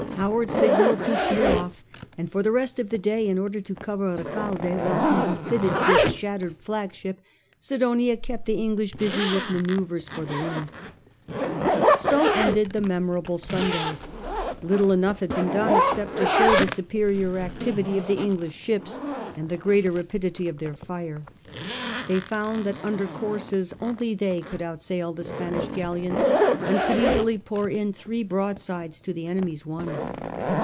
Howard signalled to sheer off; and for the rest of the day, in order to cover Recalde while he refitted his shattered flagship, Sidonia kept the English busy with manoeuvres for the wind. 152 SIR FRANCIS DRAKE chap. So ended the memorable Sunday. Little enough had been done except to show the superior activity of the English ships, and the greater rapidity of their fire. They found that under courses only they could outsail the Spanish galleons, and could easily pour in three broadsides to the enemy's one.